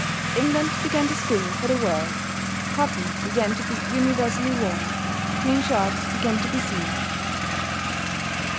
England began to spin for the world, cotton began to be universally worn, clean shirts began to be seen.